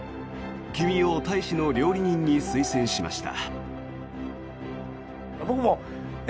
君を大使の料理人に推薦しました。